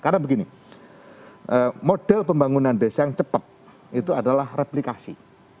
karena begini model pembangunan desa yang cepat itu adalah replikasi